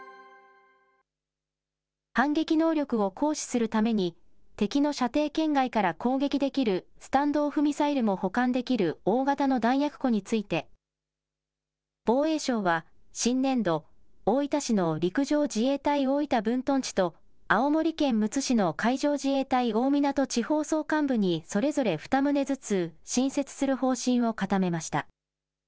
反撃能力を行使するために、敵の射程圏外から攻撃できるスタンド・オフ・ミサイルも保管できる大型の弾薬庫について、防衛省は新年度、大分市の陸上自衛隊大分分屯地と、青森県むつ市の海上自衛隊大湊地方総監部にそれぞれ２棟ずつ新設